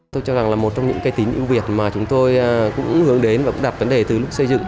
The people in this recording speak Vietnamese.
tôi cho rằng là một trong những cái tín ưu việt mà chúng tôi cũng hướng đến và cũng đặt vấn đề từ lúc xây dựng